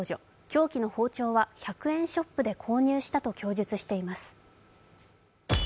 凶器の包丁は１００円ショップで購入したと供述しています。